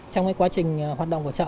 trong quá trình hoạt động của chợ